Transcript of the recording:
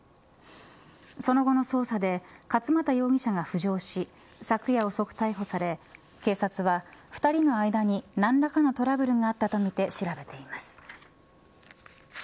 その後の捜査で勝又容疑者が浮上し昨夜遅く逮捕され警察は２人の間に何らかのトラブルがあったとみて調べています。